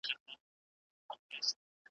ستا لپاره بلېدمه ستا لپاره لمبه خورمه .